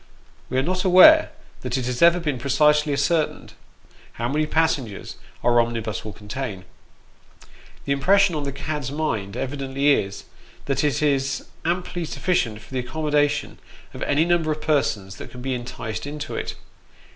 We are not aware that it has ever been precisely ascertained, how many passengers our omnibus will contain. The impression on the cad's mind, evidently is, that it is amply sufficient for the accommoda tion of any number of persons that can be enticed into it.